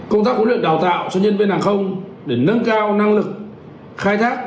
công tác huấn luyện đào tạo cho nhân viên hàng không để nâng cao năng lực khai thác